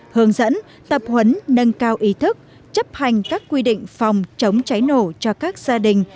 hướng dẫn tập huấn nâng cao ý thức chấp hành các quy định phòng chống cháy nổ cho các gia đình